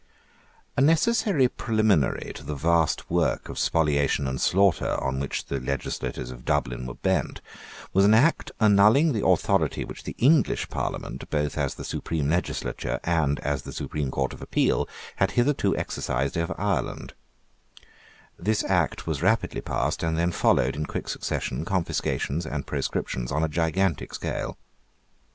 A necessary preliminary to the vast work of spoliation and slaughter on which the legislators of Dublin were bent, was an Act annulling the authority which the English Parliament, both as the supreme legislature and as the supreme Court of Appeal, had hitherto exercised over Ireland, This Act was rapidly passed; and then followed, in quick succession, confiscations and proscriptions on a gigantic scale.